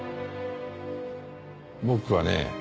僕はね。